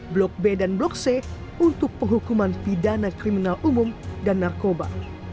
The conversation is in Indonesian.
blok b dan blok c untuk penghukuman pidana kriminal umum dan narkoba